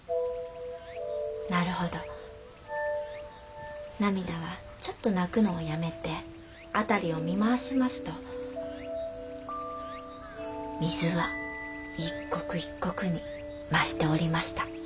なるほどナミダはちょっと泣くのをやめて辺りを見回しますと水は一刻一刻に増しておりました」。